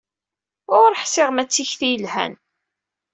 Ur ḥṣiɣ ma d tikti yelhan.